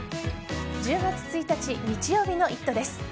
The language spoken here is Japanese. １０月１日日曜日の「イット！」です。